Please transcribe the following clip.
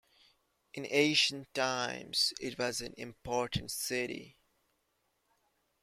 In ancient times it was an important city.